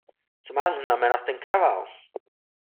Co má znamenat ten kravál?